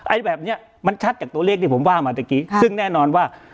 ไอแบบเนี้ยมันชัดจากตัวเลขที่ผมว่ามาตะกี้ซึ่งแน่นอนว่า